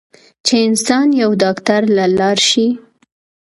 چې انسان يو ډاکټر له لاړشي